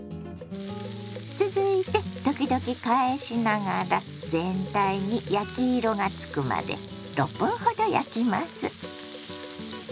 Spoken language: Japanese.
続いて時々返しながら全体に焼き色がつくまで６分ほど焼きます。